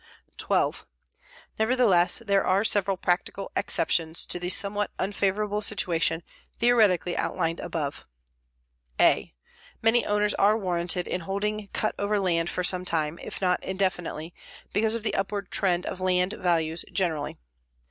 _ 12. Nevertheless there are several practical exceptions to the somewhat unfavorable situation theoretically outlined above: (a) Many owners are warranted in holding cut over land for some time, if not indefinitely, because of the upward trend of land values generally.